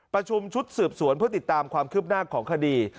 ประชุมชุดสืบสวนเพื่อติดตามความคืบหน้าของคดี